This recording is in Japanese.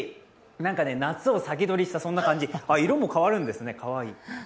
なんか夏を先取りしたそんな感じ色も変わるんですね、かわいい。